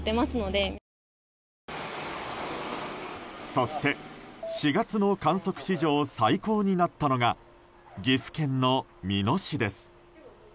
そして４月の観測史上最高になったのが岐阜県の美濃市です。